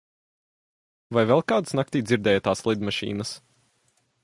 Vai vēl kāds naktī dzirdēja tās lidmašīnas?